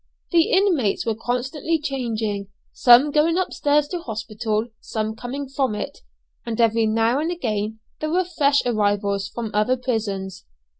The inmates were constantly changing, some going upstairs to hospital, some coming from it, and every now and again there were fresh arrivals from other prisons.